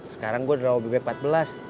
sekarang gue udah obi obi empat belas